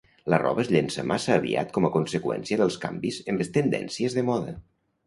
La roba es llença massa aviat com a conseqüència dels canvis en les tendències de moda.